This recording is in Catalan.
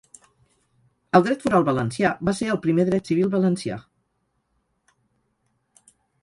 El dret foral valencià va ser el primer dret civil valencià.